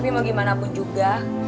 tapi mau gimana pun juga